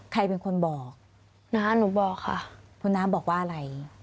ใครเป็นคนบอกน้าหนูบอกค่ะคุณน้าบอกว่าอะไร